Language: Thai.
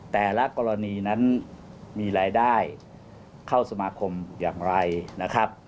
แต่ละกรณีนั้นมีรายได้เข้าสมาคมอย่างไรนะครับ